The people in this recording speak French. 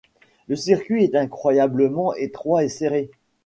Le circuit est incroyablement étroit et serré.